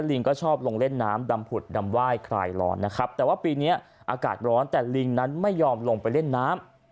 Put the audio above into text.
ลิงก็ชอบลงเล่นน้ำดำผุดดำไหว้คลายร้อนนะครับแต่ว่าปีนี้อากาศร้อนแต่ลิงนั้นไม่ยอมลงไปเล่นน้ำ